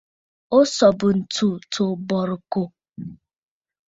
O sɔ̀bə ntsu tǒ bɔ̀rɨkòò.